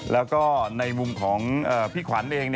แล้วก็ในมุมของพี่ขวัญเอง